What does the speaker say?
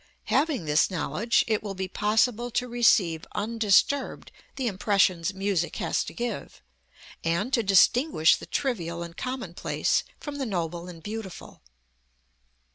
Having this knowledge it will be possible to receive undisturbed the impressions music has to give, and to distinguish the trivial and commonplace from the noble and beautiful.